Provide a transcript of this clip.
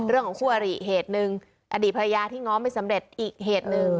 เรื่องของคั่วหลีเหตุหนึ่งอดีตภรรยาที่ง้อไม่สำเร็จอีกเหตุหนึ่ง